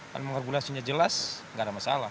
kan mengregulasinya jelas enggak ada masalah